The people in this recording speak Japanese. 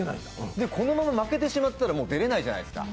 このまま負けてしまったら出れないじゃないですか。